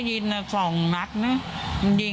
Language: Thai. พี่ได้ยิน๒นัดยิง